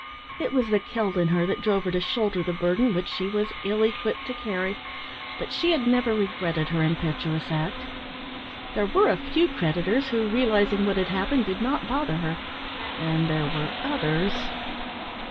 It was the Celt in her that drove her to shoulder the burden which she was ill equipped to carry, but she had never regretted her impetuous act. There were a few creditors who, realising what had happened, did not bother her, and there were others....